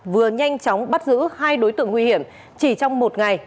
vừa nhanh chóng bắt giữ hai đối tượng nguy hiểm chỉ trong một ngày